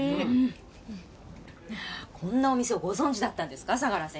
こんなお店をご存じだったんですか相良先生。